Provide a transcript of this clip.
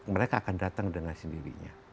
mereka akan datang dengan sendirinya